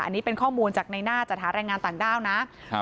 อันนี้เป็นข้อมูลจากในหน้าจัดหาแรงงานต่างด้าวนะครับ